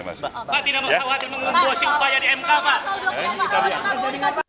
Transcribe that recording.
pak tidak mau khawatir mengembosi upaya di mk pak